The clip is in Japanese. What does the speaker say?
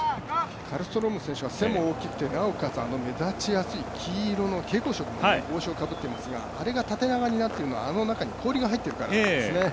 カルストローム選手、背も大きくて、なおかつ目立ちやすい黄色の蛍光色の帽子をかぶっていますが、あれが縦長になっているのは氷が入っているからなんですね。